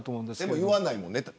でも言わないもんね。